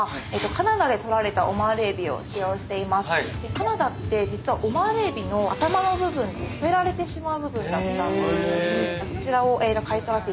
カナダって実はオマール海老の頭の部分って捨てられてしまう部分だった。